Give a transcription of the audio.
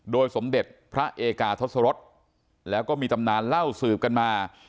สมเด็จพระเอกาทศรษแล้วก็มีตำนานเล่าสืบกันมา